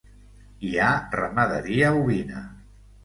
Hi ha ramaderia ovina.